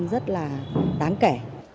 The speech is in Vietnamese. rất là đáng kể